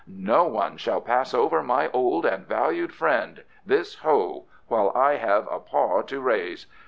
"No one shall pass over my old and valued friend this Ho while I have a paw to raise.